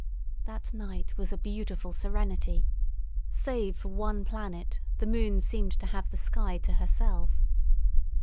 That night was a beautiful serenity; save for one planet, the moon seemed to have the sky to herself.